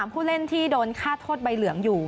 ผู้เล่นที่โดนฆ่าโทษใบเหลืองอยู่